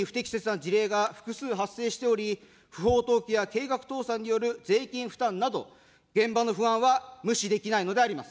すでに不適切な事例が複数発生しており、不法投棄や計画倒産による税金負担など、現場の不安は無視できないのであります。